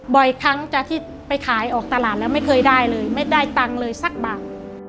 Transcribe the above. บ่อยครั้งจากที่ไปขายออกตลาดแล้วไม่เคยได้เลยไม่ได้ตังค์เลยสักบาท